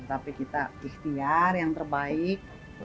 tapi kita ikhtiar yang terbaik